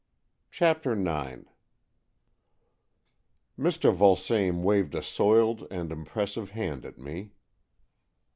CHAPTER IX Mr. Vulsame waved a soiled and impres sive hand at me.